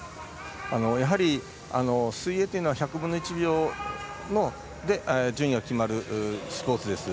やはり水泳というのは１００分の１秒で順位が決まるスポーツです。